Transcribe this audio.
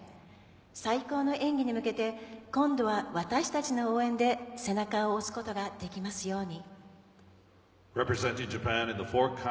最高の演技へ向けて今度は私たちの応援で背中を押すことができますように。